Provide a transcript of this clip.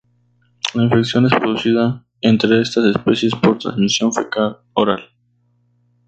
La infección es producida entre estas especies por transmisión fecal-oral.